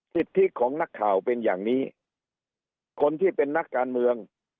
สิทธิของนักข่าวเป็นอย่างนี้คนที่เป็นนักการเมือง